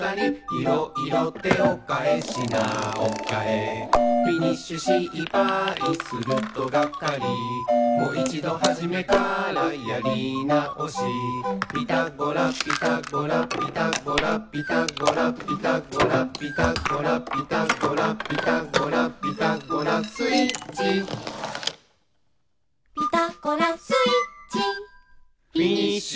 「いろいろ手をかえ品をかえ」「フィニッシュ失敗するとがっかり」「もいちどはじめからやり直し」「ピタゴラピタゴラ」「ピタゴラピタゴラ」「ピタゴラピタゴラ」「ピタゴラピタゴラ」「ピタゴラスイッチ」「ピタゴラスイッチ」「フィニッシュ！」